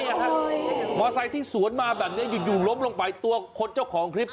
ฮือเขาคิดว่ามีการเฉียวชนมีการสะกิดเข้ามาร่วมลงไปตัวเจ้าของคลิป